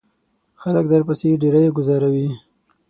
خلک درپسې ډیری گوزاروي.